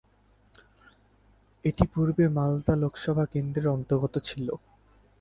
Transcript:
এটি পূর্বে মালদা লোকসভা কেন্দ্রের অন্তর্গত ছিল।